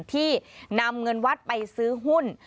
ที่นำเงินวัดไปซื้อหุ้น